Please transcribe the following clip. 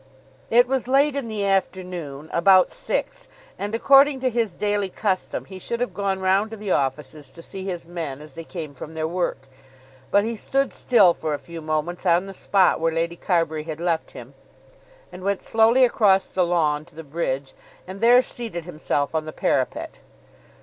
It was late in the afternoon, about six, and according to his daily custom he should have gone round to the offices to see his men as they came from their work, but he stood still for a few moments on the spot where Lady Carbury had left him and went slowly across the lawn to the bridge and there seated himself on the parapet.